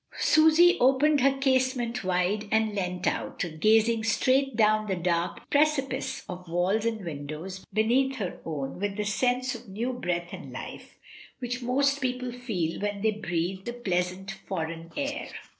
Susy opened her casement wide and leant out, gazing straight down the dark precipice of walls and windows beneath her own with the sense of new breath and life which most people feel when they breathe the pleasant foreign air.